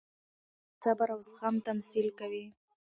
دښتې د صبر او زغم تمثیل کوي.